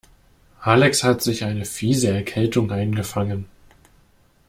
Alex hat sich eine fiese Erkältung eingefangen.